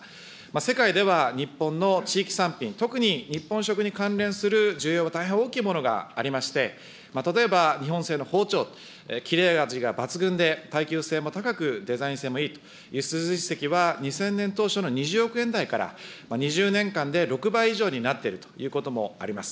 世界では日本の地域産品、特に日本食に関連する需要は大変大きいものがありまして、例えば日本製の包丁、切れ味が抜群で、耐久性も高く、デザイン性もいいと、輸出実績は２０００年当初の２０億円台から、２０年間で６倍以上になっているということもあります。